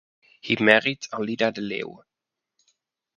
He married Alida de Leeuw.